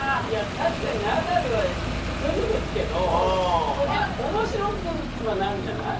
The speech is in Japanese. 確かにナダルはクズですけど面白くはなるじゃない？